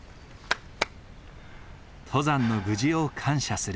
登山の無事を感謝する。